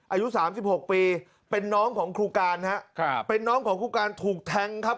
อายุสามสิบหกปีเป็นน้องของครูการฮะครับเป็นน้องของครูการถูกแทงครับ